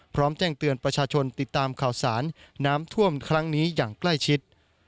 พร้อมแจ้งเตือนประชาชนติดตามข่าวสารน้ำท่วมครั้งนี้อย่างใกล้ชิด